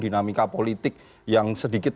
dinamika politik yang sedikit